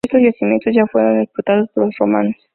Estos yacimientos ya fueron explotados por los romanos.